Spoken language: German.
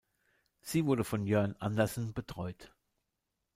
Sie wird von Jørn Andersen betreut.